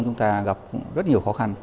chúng ta gặp rất nhiều khó khăn